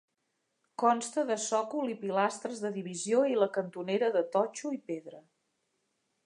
Consta de sòcol i pilastres de divisió i la cantonera de totxo i pedra.